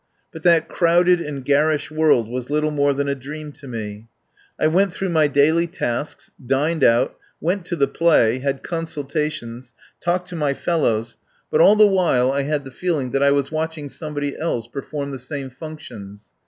But that crowded and garish world was little more than a dream to me. I went through my daily tasks, dined out, went to the play, had consultations, talked to my fellows, but all the while I had the 127 THE POWER HOUSE feeling that I was watching somebody else perform the same functions.